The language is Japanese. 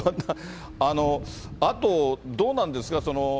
あとどうなんですか。